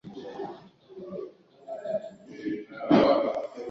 Milioni tatu zilitengwa kwa ajili ya kuimarisha bei na kumaliza mgogoro huo